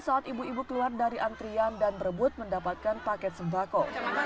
saat ibu ibu keluar dari antrian dan berebut mendapatkan paket sembako